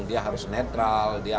dia harus netral